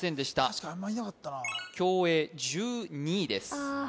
確かにあんまりいなかったな競泳１２位ですああ